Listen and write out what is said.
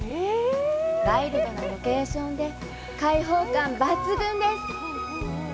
ワイルドなロケーションで開放感抜群です！